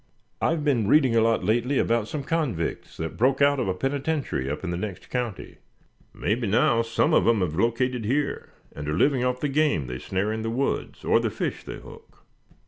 "I've been reading a lot lately about some convicts that broke out of a penitentiary up in the next county. Mebbe now some of 'em have located here, and are living off the game they snare in the woods, or the fish they hook."